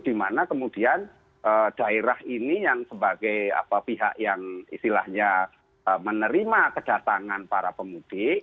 dimana kemudian daerah ini yang sebagai pihak yang istilahnya menerima kedatangan para pemudik